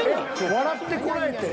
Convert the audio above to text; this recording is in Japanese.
「笑ってコラえて！」。